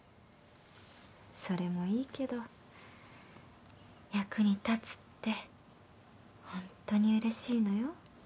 それもいいけど役に立つってホントに嬉しいのよ